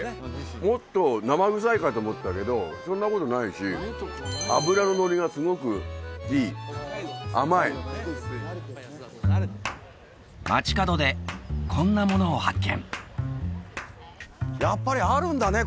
もっと生臭いかと思ったけどそんなことないし脂ののりがすごくいい甘い街角でこんなものを発見